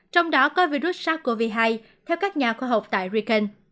trong đó có virus sars cov hai theo các nhà khoa học tại riken